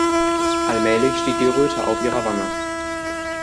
Allmählich stieg die Röte auf ihre Wange.